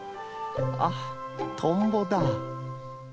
あトンボだ。